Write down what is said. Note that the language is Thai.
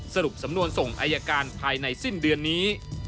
สรุปสำนวนส่งอายการภายในสิ้นเดือนนี้